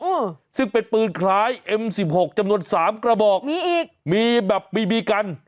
อืมซึ่งเป็นปืนคล้ายเอ็มสิบหกจำนวนสามกระบอกมีอีกมีแบบบีบีกัน